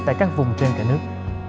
tại các vùng trên cả nước